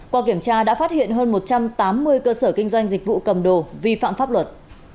qua kiểm tra đã phát hiện hơn một trăm tám mươi cơ sở kinh doanh dịch vụ cầm đồ vi phạm pháp luật